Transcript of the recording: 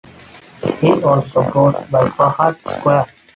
He also goes by Fahad Squad.